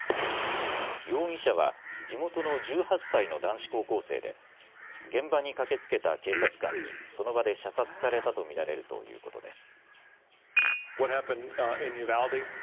容疑者は地元の１８歳の男子高校生で現場に駆けつけた警察官にその場で射殺されたと見られるということです。